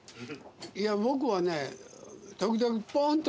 いや僕はね。